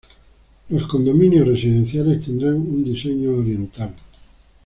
Los condominios residenciales tendrán un diseño oriental.